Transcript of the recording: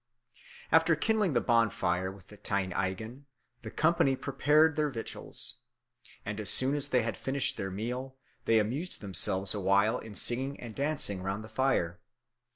"After kindling the bonfire with the tein eigin the company prepared their victuals. And as soon as they had finished their meal, they amused themselves a while in singing and dancing round the fire.